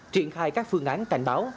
triển khai các phương án cảnh báo